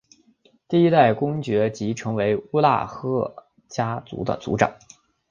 第一代公爵即成为乌拉赫家族的族长。